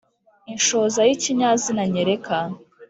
inshoza yi kinyazina nyereka